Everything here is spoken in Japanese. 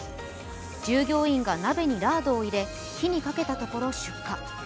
従業員が鍋にラードを入れ火にかけたところ出火。